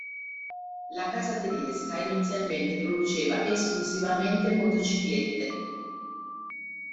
La casa tedesca inizialmente produceva esclusivamente motociclette.